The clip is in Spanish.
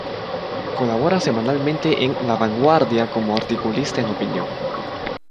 Colabora semanalmente en "La Vanguardia" como articulista en opinión.